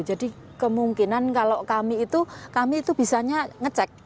jadi kemungkinan kalau kami itu kami itu bisanya ngecek